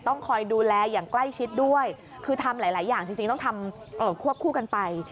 ต้องคอยดูแลอย่างใกล้ชิดด้วยคือทำหลายอย่างจริงต้องทำควบคู่กันไป